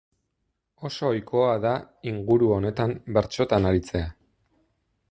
Oso ohikoa da inguru honetan, bertsotan aritzea.